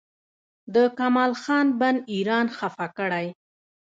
د کمال خان بند ایران خفه کړی؟